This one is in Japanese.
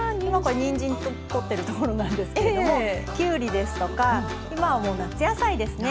にんじんをとってるところなんですけどもきゅうりですとか今は夏野菜ですね。